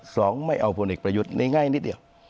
สองไม่เอาพลเอกประยุทธ์ง่ายนิดเดียว